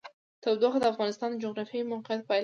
تودوخه د افغانستان د جغرافیایي موقیعت پایله ده.